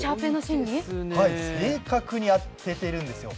正確に開けているんですよ。